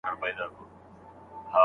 نوي کارونه زده کول یو شوق دی.